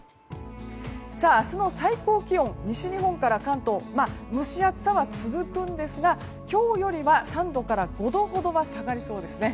明日の最高気温、西日本から関東蒸し暑さは続くんですが今日よりは３度から５度ほどは下がりそうですね。